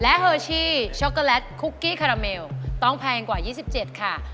และเฮอร์ชี่ช็อกโกแลตคุกกี้คาราเมลต้องแพงกว่า๒๗ค่ะ